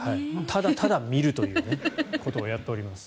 ただただ見るということをやっています。